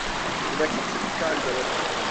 Jinak je celý pták zelený.